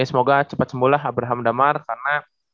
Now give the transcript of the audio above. ya semoga cepat sembuh lah abraham damar karena